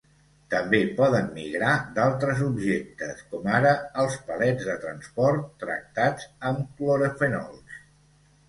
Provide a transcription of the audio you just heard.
També poden migrar d'altres objectes, com ara els palets de transport tractats amb clorofenols.